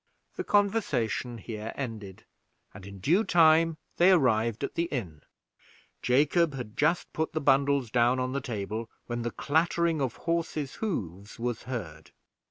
The conversation here ended, and in due time they arrived at the inn. Jacob had just put the bundles down on the table, when the clattering of horses' hoofs was heard.